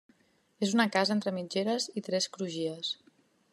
És una casa entre mitgeres i tres crugies.